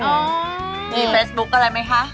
มีเฟซบุ๊คอะไรไหมคะ